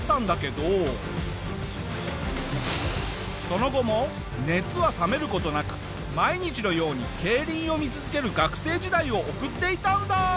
その後も熱は冷める事なく毎日のように競輪を見続ける学生時代を送っていたんだ！